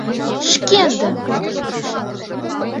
— Шкендын!..